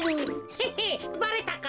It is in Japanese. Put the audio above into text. ヘヘッばれたか。